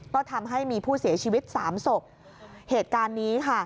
ก็ทำให้มีผู้เสียชีวิตสามศพเหตุการณ์นี้ค่ะ